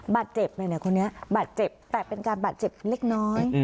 บัตรเจ็บมั้ยเนี่ยคนเนี่ยบัตรเจ็บแต่เป็นการบัตรเจ็บเล็กน้อย